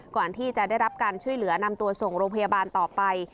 ก่อนที่จะได้รับการช่วยเหลือนำตัวส่งโรงพยาบาลต่อไป